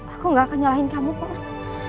aku gak akan nyalahin kamu kok mas